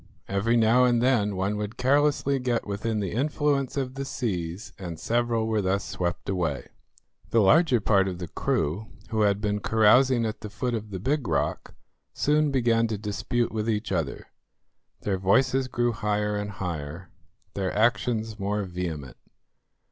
Every now and then one would carelessly get within the influence of the seas, and several were thus swept away. The larger part of the crew who had been carousing at the foot of the big rock, soon began to dispute with each other; their voices grew higher and higher, their actions more vehement.